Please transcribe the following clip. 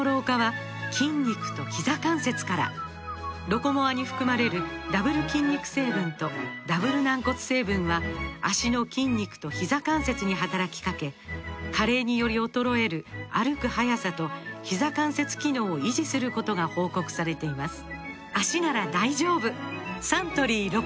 「ロコモア」に含まれるダブル筋肉成分とダブル軟骨成分は脚の筋肉とひざ関節に働きかけ加齢により衰える歩く速さとひざ関節機能を維持することが報告されています